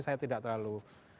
saya tidak terlalu